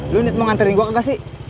lu nget mau nganterin gua ke gak sih